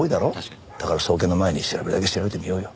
だから送検の前に調べるだけ調べてみようよ。